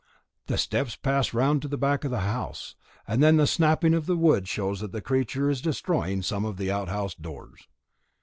The steps pass round to the back of the house, and then the snapping of the wood shows that the creature is destroying some of the outhouse doors.